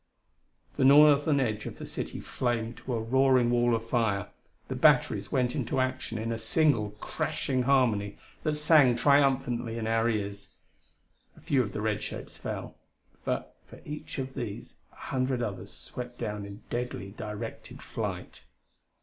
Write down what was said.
The northern edge of the city flamed to a roaring wall of fire; the batteries went into action in a single, crashing harmony that sang triumphantly in our ears. A few of the red shapes fell, but for each of these a hundred others swept down in deadly, directed flight.